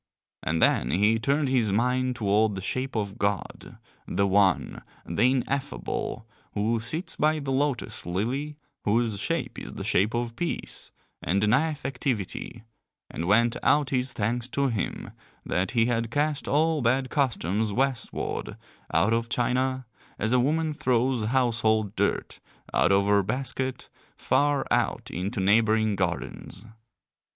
And then he turned his mind toward the shape of God, the One, the Ineffable, who sits by the lotus lily, whose shape is the shape of peace, and denieth activity, and went out his thanks to him that he had cast all bad customs westward out of China as a woman throws household dirt out of her basket far out into neighbouring gardens.